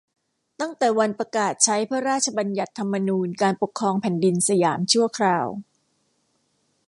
ตั้งแต่วันประกาศใช้พระราชบัญญัติธรรมนูญการปกครองแผ่นดินสยามชั่วคราว